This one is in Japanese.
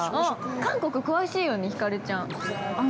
◆韓国詳しいよね、ひかるちゃん。